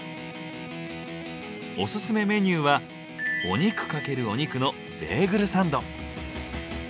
オススメメニューは「お肉×お肉」のベーグルサンド。